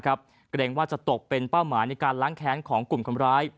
เกรงว่าจะตกเป็นเป้าหมายในการล้างแค้นของกลุ่มคนร้าย